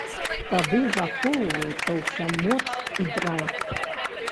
Тады захоўваецца ўся моц і драйв!